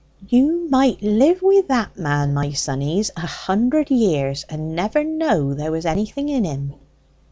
"You might live wi' that man, my sonnies, a hundred years, and never know there was anything in him."